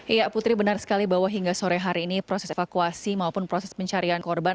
iya putri benar sekali bahwa hingga sore hari ini proses evakuasi maupun proses pencarian korban